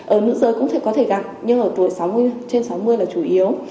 ở nữ giới cũng có thể gặp nhưng ở tuổi trên sáu mươi là chủ yếu